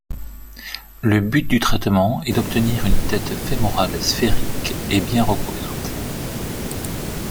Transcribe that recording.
Le but du traitement est d'obtenir une tête fémorale sphérique et bien recouverte.